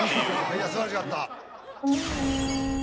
いやすばらしかった。